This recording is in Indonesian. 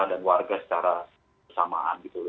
dan warga secara bersamaan gitu